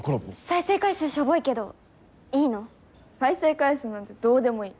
再生回数ショボいけどいいの？再生回数なんてどうでもいい。